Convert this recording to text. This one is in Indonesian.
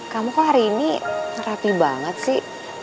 kamu kok hari ini rapi banget sih